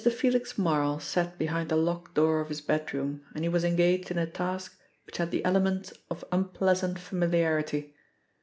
FELIX MARL sat behind the locked door of his bedroom, and he was engaged in a task which had the elements of unpleasant familiarity.